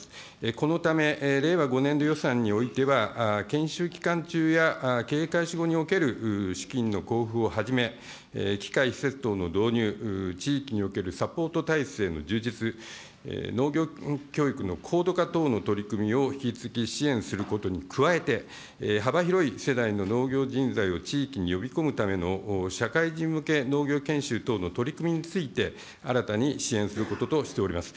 このため、令和５年度予算においては、研修期間中や経営開始後における資金の交付をはじめ、機械施設等の導入、地域におけるサポート体制の充実、農業教育の高度化等の取り組みを引き続き支援することに加えて、幅広い世代の農業人材を地域に呼び込むための社会人向け農業研修等の取り組みについて、新たに支援することとしております。